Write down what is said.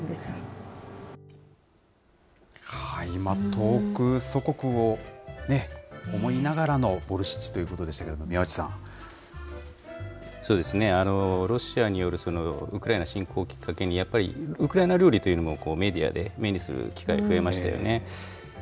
遠く祖国を思いながらのボルシチということでしたけれども、そうですね、ロシアによるウクライナ侵攻をきっかけに、やっぱりウクライナ料理というのもメディアで目にする機会、増えましたよね。